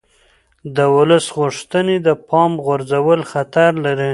د ولس غوښتنې د پامه غورځول خطر لري